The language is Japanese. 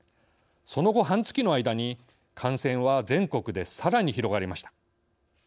その後半月の間に感染は全国でさらに広がりました。